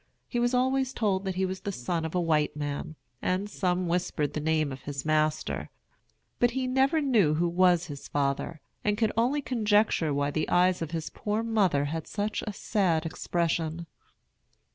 He was always told that he was the son of a white man, and some whispered the name of his master. But he never knew who was his father, and could only conjecture why the eyes of his poor mother had such a sad expression.